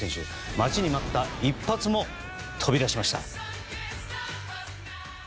待ちに待った一発も飛び出しました。